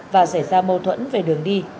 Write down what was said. và xảy ra mâu thuẫn về đường đi